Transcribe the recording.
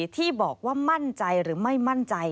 ที่บอกว่ามั่นใจหรือไม่มั่นใจ